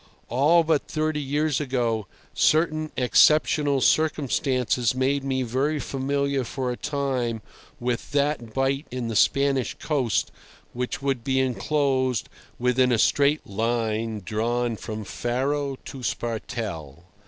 All but thirty years ago, certain exceptional circumstances made me very familiar for a time with that bight in the Spanish coast which would be enclosed within a straight line drawn from Faro to Spartel.